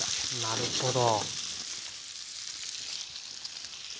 なるほど。